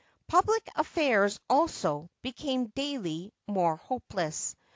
Public aflfairs, also, became daily more hopeless.